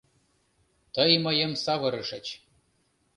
Тый мыйым савырышыч.